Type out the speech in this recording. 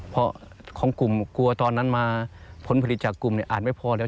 เพราะของกลุ่มกลัวตอนนั้นมาผลผลิตจากกลุ่มอาจไม่พอแล้ว